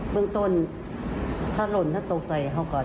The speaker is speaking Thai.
เมื่อกบนถ้าหล่นถ้าโตอุ้งใส่เป็นชก